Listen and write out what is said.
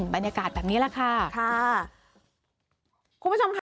บรรยากาศแบบนี้แหละค่ะค่ะคุณผู้ชมค่ะ